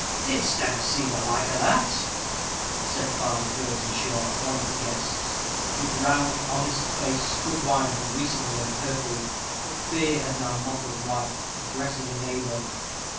"Didst ever see the like o' that?" said Farmer Burtenshaw one of the guests, whose round, honest face good wine had recently empurpled, but fear had now mottled white, addressing a neighbor.